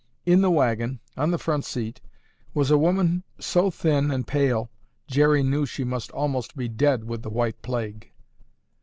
In the wagon, on the front seat, was a woman so thin and pale Jerry knew she must be almost dead with the white plague.